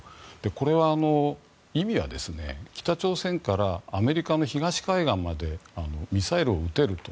これは意味は北朝鮮からアメリカの東海岸までミサイルを撃てると。